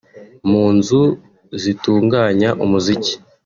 mu nzu zitunganya umuziki